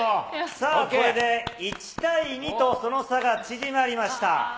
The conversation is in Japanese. さあ、これで１対２とこの差が縮まりました。